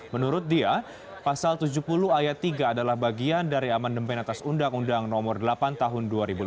menurut dia pasal tujuh puluh ayat tiga adalah bagian dari amandemen atas undang undang nomor delapan tahun dua ribu lima belas